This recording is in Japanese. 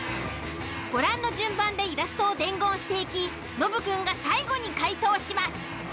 ご覧の順番でイラストを伝言していきノブくんが最後に解答します。